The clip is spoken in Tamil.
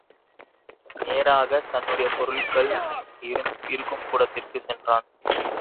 நேராகத் தன்னுடைய பொருள்கள் இருக்கும் கூடத்திற்குச் சென்றான்.